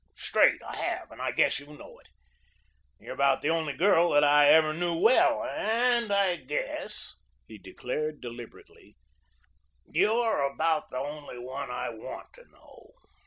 Straight, I have, and I guess you know it. You're about the only girl that I ever knew well, and I guess," he declared deliberately, "you're about the only one I want to know.